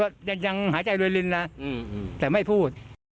แต่ว่ายังหายใจด้วยลิ้นนะแต่ไม่พูด